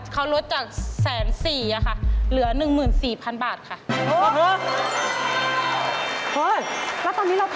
เขารวจจาก๑๐๔๐๐๐บาทค่ะ